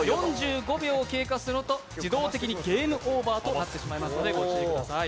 ４５秒経過すると、自動的にゲームオーバーとなってしまいますのでの、ご注意ください。